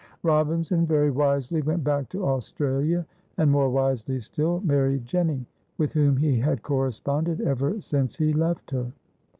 Robinson very wisely went back to Australia, and, more wisely still, married Jenny, with whom he had corresponded ever since he left her.